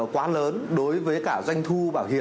quá lớn đối với cả doanh thu